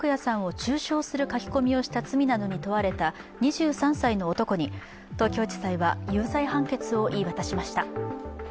中傷する書き込みをした罪などに問われた２３歳の男に、東京地裁は有罪判決を言い渡しました。